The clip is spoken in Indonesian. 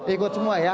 ikut semua ya